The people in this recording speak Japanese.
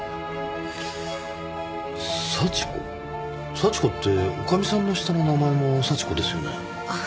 幸子って女将さんの下の名前も幸子ですよね？